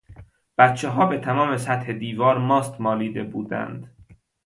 بچهها به تمام سطح دیوار ماست مالیده بودند.